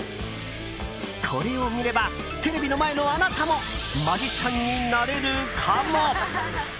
これを見ればテレビの前のあなたもマジシャンになれるかも？